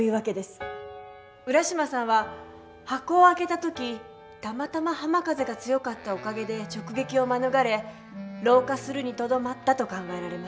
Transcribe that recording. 浦島さんは箱を開けた時たまたま浜風が強かったおかげで直撃を免れ老化するにとどまったと考えられます。